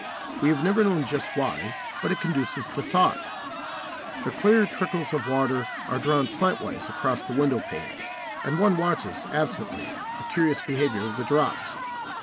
We have never known just why, but it conduces to thought. The clear trickles of water are drawn slantwise across the window panes, and one watches, absently, the curious behaviour of the drops.